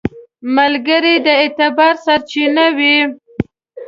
ملګری د اعتبار سرچینه وي